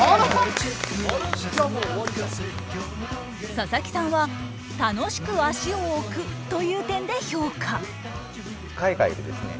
佐々木さんは「楽しく足を置く」という点で評価。